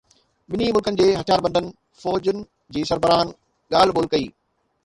ٻنهي ملڪن جي هٿياربند فوجن جي سربراهن ڳالهه ٻولهه ڪئي